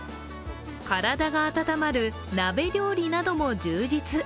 体が温まる鍋料理なども充実。